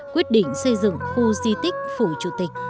quyết định xây dựng khu di tích phủ chủ tịch